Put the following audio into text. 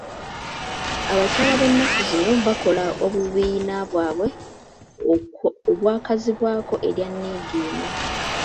Abakyala be nnaku zino bakola obubiina bwabwe obwakazibwako erya Nnigiina.